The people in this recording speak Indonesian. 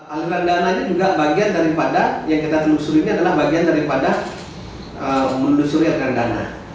aliran dana ini juga bagian daripada yang kita telusuri ini adalah bagian daripada menelusuri aliran dana